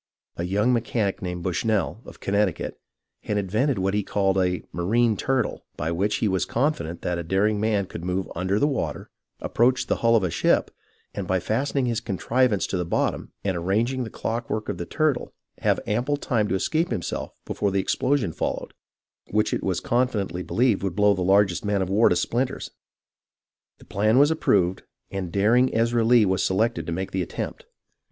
A young mechanic named Bushnell, of Connecticut, had invented what he called a " marine turtle," by which he was confident that a daring man could move under the water, approach the hull of a ship, and by fastening his contrivance to the bottom, and arranging the clock work of the " turtle," have ample time to escape himself before the explosion followed, which it was confidently believed would blow the largest man of war into flinders. The plan was approved, and daring Ezra Lee was se lected to make the attempt.